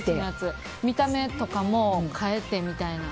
見た目とかも変えてみたいな。